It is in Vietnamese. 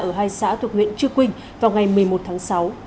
ở hai xã thuộc nguyễn trư quynh vào ngày một mươi một tháng sáu